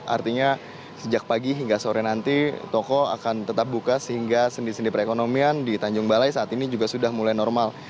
artinya sejak pagi hingga sore nanti toko akan tetap buka sehingga sendi sendi perekonomian di tanjung balai saat ini juga sudah mulai normal